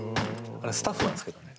あれスタッフなんですけどね。